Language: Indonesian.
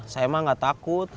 saya mah gak takut